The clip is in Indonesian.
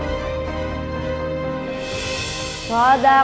tapi seperti apa bu tour biar rakyatmu